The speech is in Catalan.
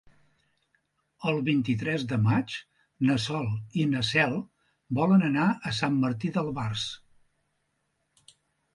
El vint-i-tres de maig na Sol i na Cel volen anar a Sant Martí d'Albars.